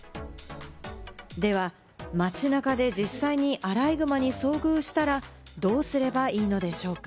では、街中で実際にアライグマに遭遇したらどうすればいいのでしょうか？